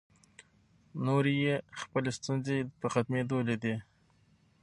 نورې یې خپلې ستونزې په ختمېدو لیدې.